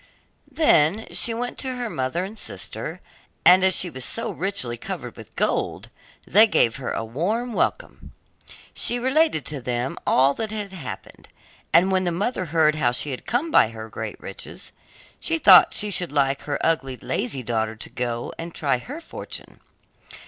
Then she went in to her mother and sister, and as she was so richly covered with gold, they gave her a warm welcome. She related to them all that had happened, and when the mother heard how she had come by her great riches, she thought she should like her ugly, lazy daughter to go and try her fortune.